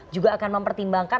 juga akan mempertimbangkan